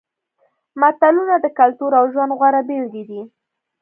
متلونه د کلتور او ژوند غوره بېلګې دي